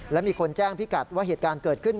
และมีคนแจ้งพิกัดว่าเหตุการณ์เกิดขึ้น